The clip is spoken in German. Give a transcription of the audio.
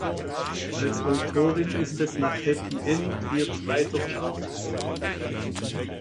Als Autorin ist es nach "Happy End" ihr zweiter Charthit.